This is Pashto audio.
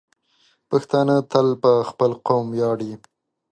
پښتانه تل په خپل قوم ویاړي.